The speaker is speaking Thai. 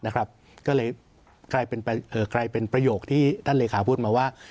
ก็เลยกลายเป็นประโยคที่ท่านเลขาพูดมาว่า